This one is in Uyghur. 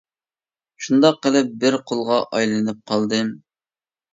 شۇنداق قىلىپ بىر قۇلغا ئايلىنىپ قالدىم.